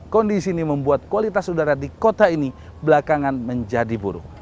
kondisi ini membuat kualitas udara di kota ini belakangan menjadi buruk